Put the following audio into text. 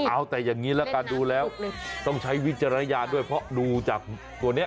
เอาแต่อย่างนี้ละกันดูแล้วต้องใช้วิจารณญาณด้วยเพราะดูจากตัวนี้